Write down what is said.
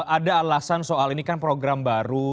ada alasan soal ini kan program baru